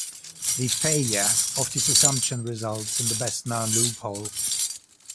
The failure of this assumption results in the best known "loophole".